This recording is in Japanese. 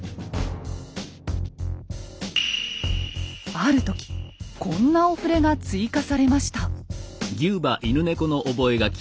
ある時こんなお触れが追加されました。